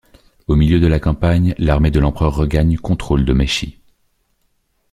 Au milieu de la campagne, l'armée de l'empereur regagne contrôle de Maeshi.